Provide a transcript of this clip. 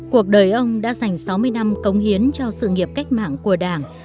cuộc đời ông đã dành sáu mươi năm cống hiến cho sự nghiệp cách mạng của đảng